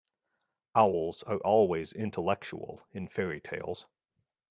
Owls are always intellectual in fairy-tales.